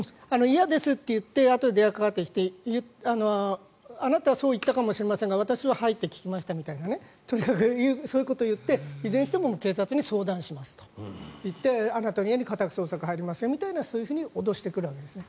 嫌ですと言ってあとで電話がかかってきてあなたはそう言ったかもしれませんが私は、はいと聞きましたみたいなとにかくそういうことを言っていずれにしても警察に相談しますと言ってあなたの家に家宅捜索が入りますよみたいなそういうふうに脅してくるわけですね。